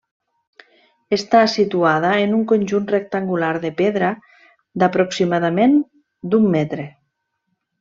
Està situada en un conjunt rectangular de pedra, d'aproximadament d'un metre.